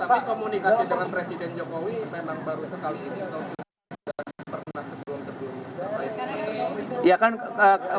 tapi komunikasi dengan presiden jokowi memang baru sekali ini atau sudah pernah sebelum sebelumnya